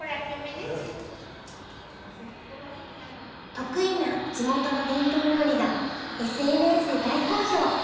得意な地元の伝統料理がＳＮＳで大好評！